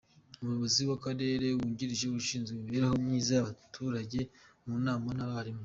Umuyobozi w’akarere wungirije ushinzwe imibereho myiza y’abaturage mu nama n’abarimu.